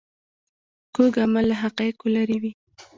کوږ عمل له حقایقو لیرې وي